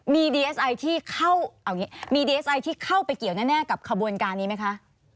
มีดีเอสไอที่เข้าเอาอย่างนี้มีดีเอสไอที่เข้าไปเกี่ยวแน่กับขบวนการนี้ไหมคะ